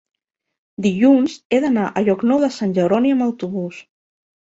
Dilluns he d'anar a Llocnou de Sant Jeroni amb autobús.